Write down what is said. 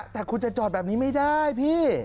แต่อย่างนี้ก็ไม่ได้พี่